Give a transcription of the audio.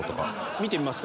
見てみますか？